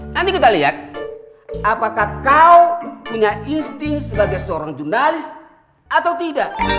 nanti kita lihat apakah kau punya istri sebagai seorang jurnalis atau tidak